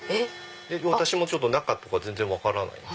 私も中とか全然分からないんで。